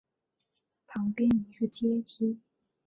旁边一个阶梯